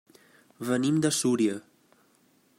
Venim de Súria.